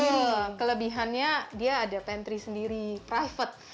dan ini sebenarnya dia ada pantry sendiri private